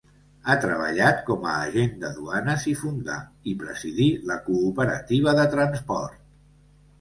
Ha treballat com a agent de duanes i fundà i presidí la Cooperativa de Transport.